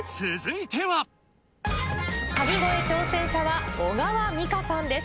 神声挑戦者は小川美佳さんです。